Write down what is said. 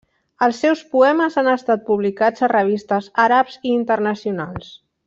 Els seus poemes han estat publicats a revistes àrabs i internacionals.